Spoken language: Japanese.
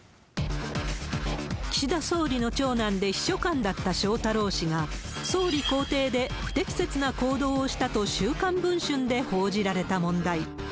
岸田総理の長男で秘書官だった翔太郎氏が、総理公邸で不適切な行動をしたと、週刊文春で報じられた問題。